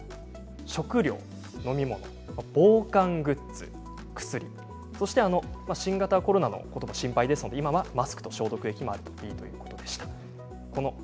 食料、飲み物、防寒グッズ、薬そして新型コロナのことも心配ですので今はマスクと消毒液もあるといいということでした。